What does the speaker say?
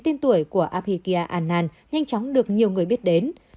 tiên tuổi của abhidhya anand nhanh chóng được nhiều người biết đến